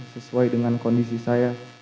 sesuai dengan kondisi saya